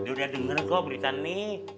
dia udah denger kok berita ini